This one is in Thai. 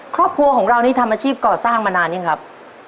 ครอบครัวของเรานี่ทำอาชีพก่อสร้างมานานยังครับ